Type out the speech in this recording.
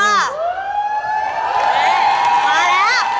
มาแล้ว